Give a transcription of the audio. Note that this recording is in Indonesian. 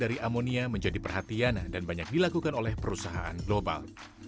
dari amonia menjadi perhatian dan banyak dilakukan oleh perusahaan global